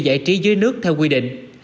giải trí dưới nước theo quy định